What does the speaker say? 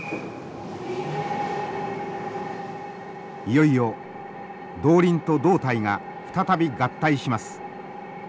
いよいよ動輪と胴体が再び合体します。